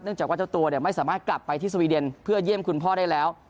จากว่าเจ้าตัวไม่สามารถกลับไปที่สวีเดนเพื่อเยี่ยมคุณพ่อได้แล้ว